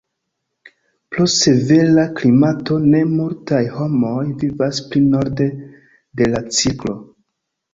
Pro severa klimato ne multaj homoj vivas pli norde de la cirklo.